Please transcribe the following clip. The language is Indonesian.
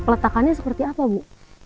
letakannya seperti apa bu